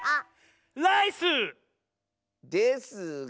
ライス！ですが。